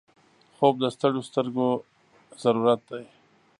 خوب د ستړیو سترګو ضرورت دی